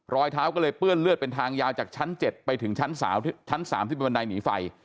รอยเท้าก็เลยเปื้อนเลือดเป็นทางยาวจากชั้น๗ไปถึงชั้น๓ที่เป็นบันไดหนีไฟ